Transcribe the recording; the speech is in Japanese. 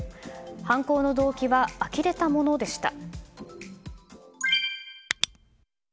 犯行の動機はあきれたものでした。